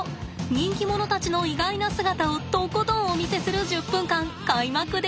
人気者たちの意外な姿をとことんお見せする１０分間開幕ですぞ。